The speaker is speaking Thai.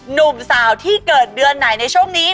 หนุ่มสาวที่เกิดเดือนไหนในช่วงนี้